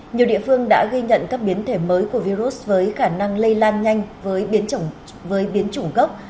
nhiều địa phương đã ghi nhận các biến thể mới của virus với khả năng lây lan nhanh với biến chủng gốc